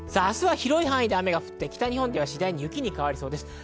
明日は広い範囲で雨が降って北日本は雪に変わりそうです。